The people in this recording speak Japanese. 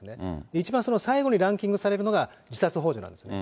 一番その最後にランキングされるのが自殺ほう助なんですね。